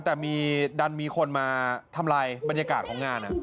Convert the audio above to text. แต่มีดันมีคนมาทำลายบรรยากาศของงาน